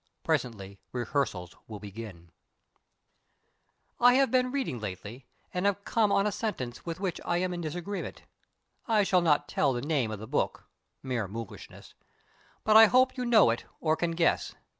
Presently rehearsals will begin I have been reading lately, and I have come on a sentence with which I am in disagreement. I shall not tell the name of the book (mere mulishness!) but I hope you know it or can guess.